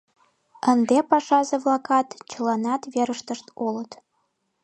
Ынде пашазе-влакат чыланат верыштышт улыт.